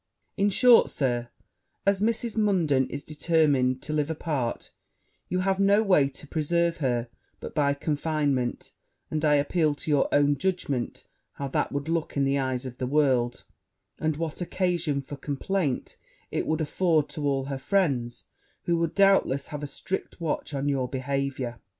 In short, Sir, as Mrs. Munden is determined to live apart, you have no way to preserve her but by confinement; and I appeal to your own judgment how that would look in the eyes of the world, and what occasion for complaint it would afford to all her friends, who would, doubtless, have a strict watch on your behaviour.'